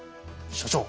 所長